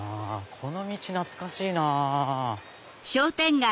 この道懐かしいなぁ。